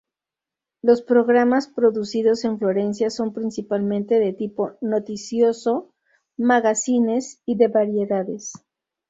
Los programas producidos en Florencia son principalmente de tipo noticioso, magazines y de variedades.